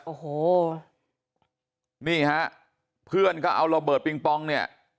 โอ้โหนี่ฮะเพื่อนก็เอาระเบิดปิงปองเนี่ย